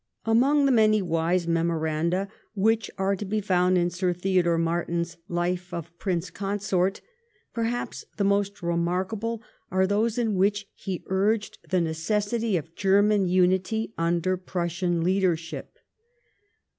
Among the many wise memoranda which are to be found in Sir Theodore Martin's* Z}^ of Prince Consort, perhaps the most re markable are those in which he urged the necessity of German unity under Prussian leadership.